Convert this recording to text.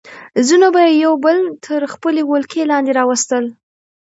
ځینو به یې یو بل تر خپلې ولکې لاندې راوستل.